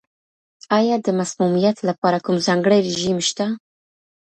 آیا د مسمومیت لپاره کوم ځانګړی رژیم شته؟